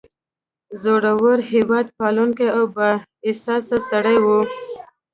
زړور، هیواد پالونکی او با احساسه سړی و.